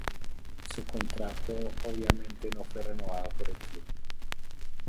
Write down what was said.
Su contrato obviamente no fue renovado por el club.